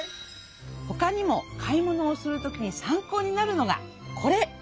ほかにも買い物をするときに参考になるのがこれ。